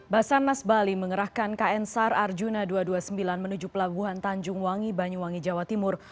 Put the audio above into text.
basarnas bali mengerahkan kn sar arjuna dua ratus dua puluh sembilan menuju pelabuhan tanjung wangi banyuwangi jawa timur